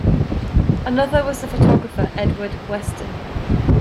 Another was the photographer, Edward Weston.